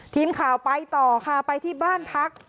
ทีมข่าวไปต่อค่ะไปที่บ้านพัก